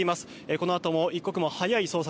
このあとも一刻も早い捜索